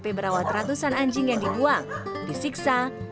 disiksa disusahkan dan disusahkan dengan keadaan yang berbeda dengan kesehatan tersebut